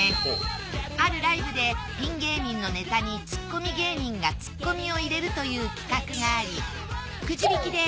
あるライブでピン芸人のネタにツッコミ芸人がツッコミを入れるという企画がありくじ引き